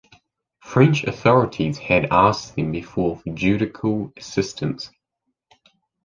French authorities had asked them before for Judicial assistance.